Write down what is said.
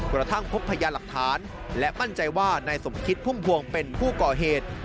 กระทั่งพบพยานหลักฐานและมั่นใจว่านายสมคิดพุ่มพวงเป็นผู้ก่อเหตุ